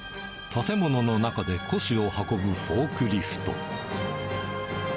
建物の中で古紙を運ぶフォークリフト。